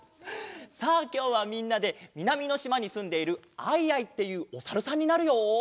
さあきょうはみんなでみなみのしまにすんでいる「アイアイ」っていうおさるさんになるよ。